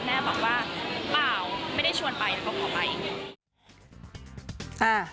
แม่บอกว่าเปล่าไม่ได้ชวนไปแต่ก็ขอไป